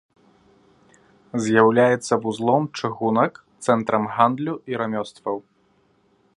З'яўляецца вузлом чыгунак, цэнтрам гандлю і рамёстваў.